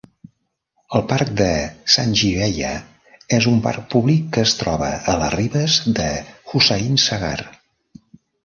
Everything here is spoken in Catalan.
El parc de Sanjeevaiah és un parc públic que es troba a les ribes de Hussain Sagar.